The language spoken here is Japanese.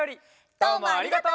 どうもありがとう。